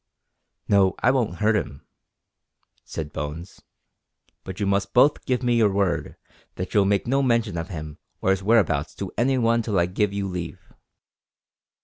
"No, I won't hurt him," said Bones, "but you must both give me your word that you'll make no mention of him or his whereabouts to any one till I give you leave."